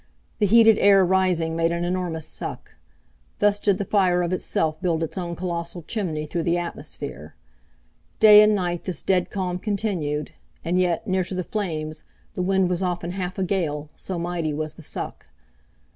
The heated air rising made an enormous suck. Thus did the fire of itself build its own colossal chimney through the atmosphere. Day and night this dead calm continued, and yet, near to the flames, the wind was often half a gale, so mighty was the suck.